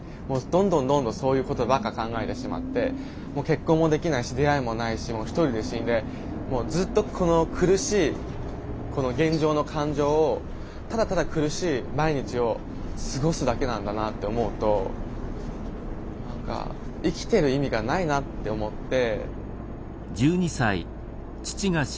どんどんどんどんそういうことばっか考えてしまってもう結婚もできないし出会いもないし１人で死んでずっとこの苦しい現状の感情をただただ苦しい毎日を過ごすだけなんだなって思うと何か生きてる意味がないなって思って。